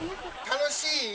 楽しい？